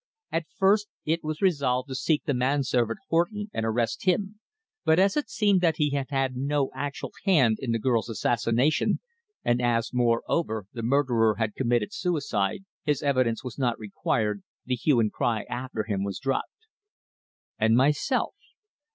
At first it was resolved to seek the man servant Horton and arrest him, but as it seemed that he had had no actual hand in the girl's assassination, and as, moreover, the murderer had committed suicide, his evidence was not required, the hue and cry after him was dropped. And myself?